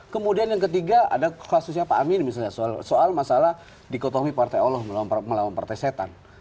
kemudian yang ketiga ada kasusnya pak amin misalnya soal masalah dikotomi partai allah melawan partai setan